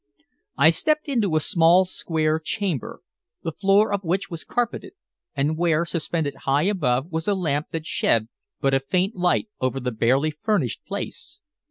I stepped into a small, square chamber, the floor of which was carpeted, and where, suspended high above, was a lamp that shed but a faint light over the barely furnished place.